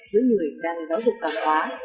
với người đang giáo dục cản hóa